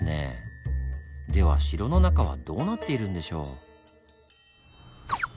では城の中はどうなっているんでしょう？